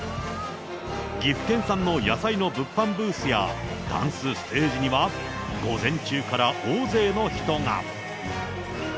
岐阜県産の野菜の物販ブースや、ダンスステージには午前中から大勢の人が。